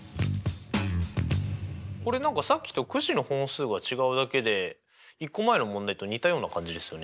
これ何かさっきとくじの本数が違うだけで１個前の問題と似たような感じですよね。